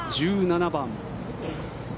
１７番。